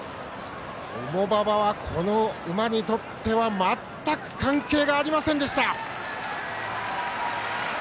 重馬場は、この馬にとっては全く関係がありませんでした！